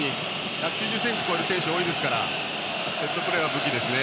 １９０ｃｍ超える選手が多いのでセットプレーは武器ですね。